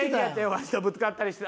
わしとぶつかったりして。